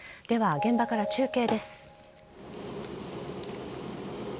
では、現場から中継です。